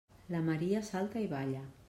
La Maria salta i balla.